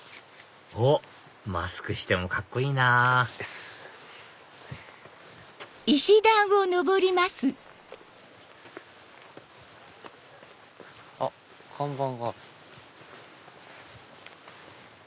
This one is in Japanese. おっマスクしてもカッコいいなぁあっ看板がある。